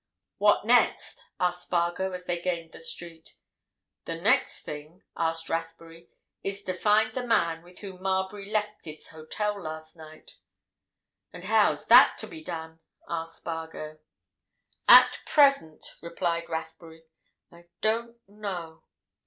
"What next?" asked Spargo, as they gained the street. "The next thing," answered Rathbury, "is to find the man with whom Marbury left this hotel last night." "And how's that to be done?" asked Spargo. "At present," replied Rathbury, "I don't know."